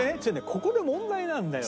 ここで問題なんだよ。